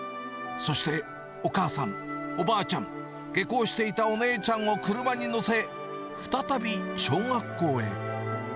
そしてお母さん、おばあちゃん、下校していたお姉ちゃんを車に乗せ、再び小学校へ。